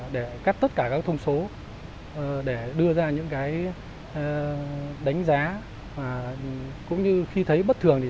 để cắt tất cả các thông số để đưa ra những cái đánh giá và cũng như khi thấy bất thường thì